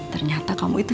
ternyata kamu itu